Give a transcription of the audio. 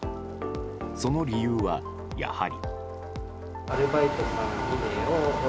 その理由は、やはり。